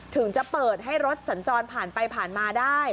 ถึงจะเปิดให้รถสัญจรผ่านไปผ่านมาได้